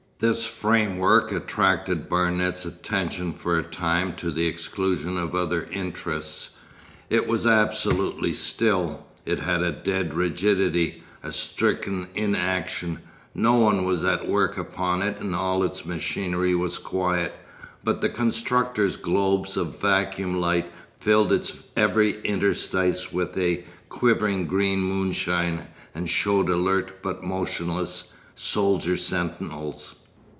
This framework attracted Barnet's attention for a time to the exclusion of other interests. It was absolutely still, it had a dead rigidity, a stricken inaction, no one was at work upon it and all its machinery was quiet; but the constructor's globes of vacuum light filled its every interstice with a quivering green moonshine and showed alert but motionless—soldier sentinels!